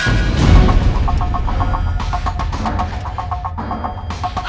aku mau ke rumah